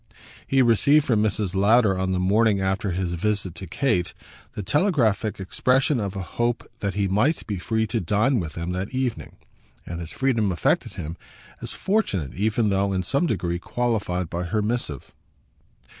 He received from Mrs. Lowder on the morning after his visit to Kate the telegraphic expression of a hope that he might be free to dine with them that evening; and his freedom affected him as fortunate even though in some degree qualified by her missive.